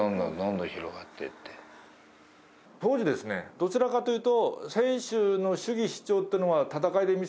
どちらかというと。